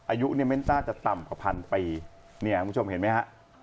อายุเนี่ยไม่น่าจะต่ำกว่าพันปีเนี่ยคุณผู้ชมเห็นไหมฮะ